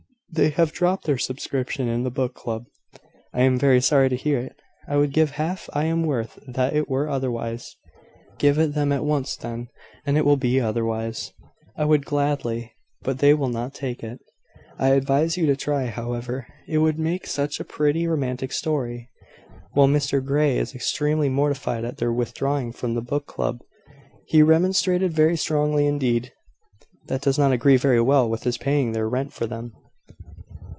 They have dropped their subscription to the book club." "I am very sorry to hear it. I would give half I am worth that it were otherwise." "Give it them at once, then, and it will be otherwise." "I would, gladly; but they will not take it." "I advise you to try, however; it would make such a pretty romantic story! Well, Mr Grey is extremely mortified at their withdrawing from the book club. He remonstrated very strongly indeed." "That does not agree very well with his paying their rent for them."